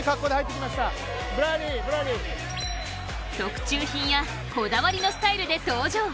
特注品やこだわりのスタイルで登場。